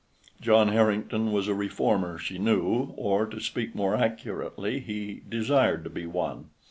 John Harrington was a reformer, she knew; or, to speak more accurately, he desired to be one.